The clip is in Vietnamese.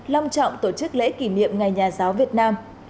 long trọng tổ chức lễ kỷ niệm ngày nhà giáo việt nam